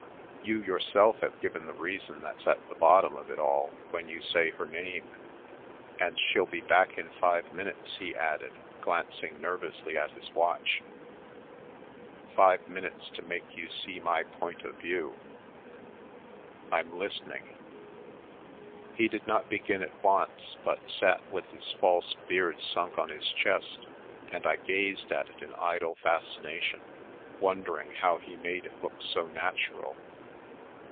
" You yourself have given the reason that's at the bot tom of it all when you say her name. And she'll be back in five minutes," he added, glancing nervously at his watch ;" five minutes to make you see my point of view !"" I'm listening." He did not begin at once, but sat with his false beard sunk on his chest and I gazed at it in idle fascination, wondering how he made it look so natural.